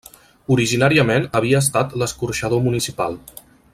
Originàriament havia estat l'escorxador municipal.